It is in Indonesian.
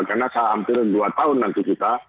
karena hampir dua tahun nanti kita